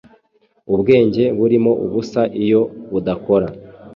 Ubwenge burimo ubusa, iyo budakora